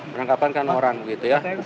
penangkapan kan orang gitu ya